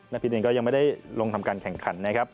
พิษเองก็ยังไม่ได้ลงทำการแข่งขันนะครับ